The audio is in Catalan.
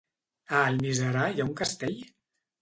A Almiserà hi ha un castell?